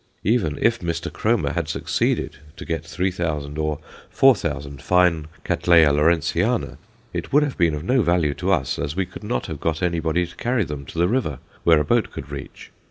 Even if Mr. Kromer had succeeded to get 3000 or 4000 fine Cattleya Lawrenceana, it would have been of no value to us, as we could not have got anybody to carry them to the river where a boat could reach.